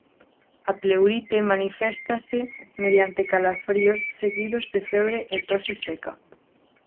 A pleurite maniféstase mediante calafríos seguidos de febre e tose seca.